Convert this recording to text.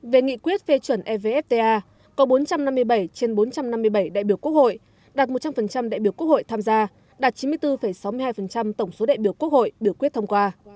về nghị quyết phê chuẩn evfta có bốn trăm năm mươi bảy trên bốn trăm năm mươi bảy đại biểu quốc hội đạt một trăm linh đại biểu quốc hội tham gia đạt chín mươi bốn sáu mươi hai tổng số đại biểu quốc hội biểu quyết thông qua